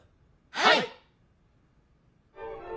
はい！